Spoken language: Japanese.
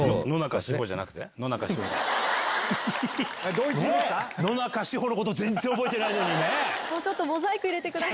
同一人物か⁉野中志保のこと全然覚えてないのにね！